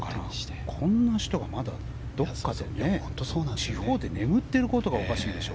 こんな人がまだどっかで地方で眠っていることがおかしいんですよ。